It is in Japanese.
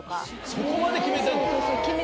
そこまで決めてんの？